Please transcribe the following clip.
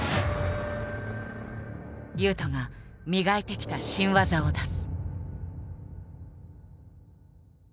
雄斗が磨いてきた新技を出す。